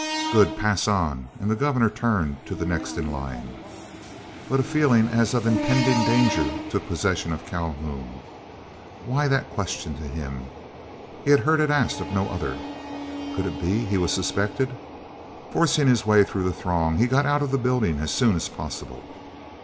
"Good, pass on," and the Governor turned to the next in line. But a feeling as of impending danger took possession of Calhoun. Why that question to him? He had heard it asked of no other. Could it be he was suspected? Forcing his way through the throng, he got out of the building as soon as possible.